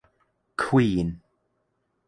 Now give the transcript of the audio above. Queen.